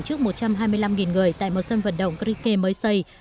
trước một trăm hai mươi năm người tại một sân vận động crickee mới xây